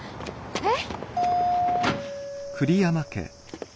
えっ？